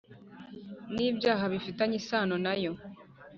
n'ibyaha bifitanye isano na yo.